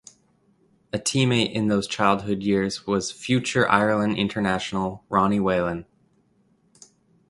A teammate in those childhood years was future Ireland international Ronnie Whelan.